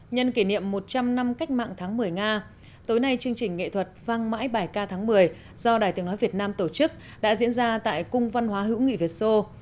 nhân kỷ niệm một trăm linh năm cách mạng tháng một mươi nga tối nay chương trình nghệ thuật vang mãi bài ca tháng một mươi do đài tiếng nói việt nam tổ chức đã diễn ra tại cung văn hóa hữu nghị việt sô